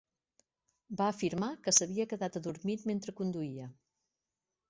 Va afirmar que s'havia quedat adormit mentre conduïa.